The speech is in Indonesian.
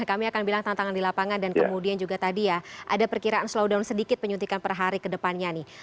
kami akan bilang tantangan di lapangan dan kemudian juga tadi ya ada perkiraan slow down sedikit penyuntikan per hari ke depannya nih